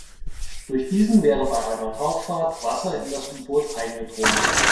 Durch diesen wäre bei einer Tauchfahrt Wasser in das U-Boot eingedrungen.